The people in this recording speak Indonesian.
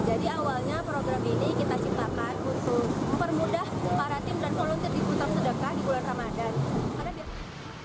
jadi awalnya program ini kita ciptakan untuk mempermudah para tim dan volunteer di kulkas sedekah di bulan ramadhan